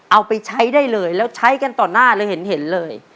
เอาไปใช้ได้เลยแล้วใช้กันต่อหน้าเลยเห็นเลย